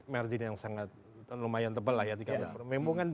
mergin yang sangat lumayan tebal lah ya